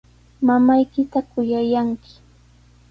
Mamaykita kuyallanki.